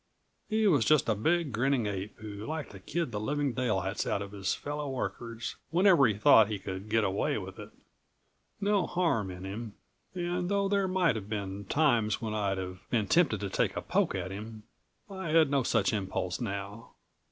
He was just a big grinning ape who liked to kid the living daylights out of his fellow workers, whenever he thought he could get away with it. No harm in him, and though there might have been times when I'd have been tempted to take a poke at him ... I had no such impulse now.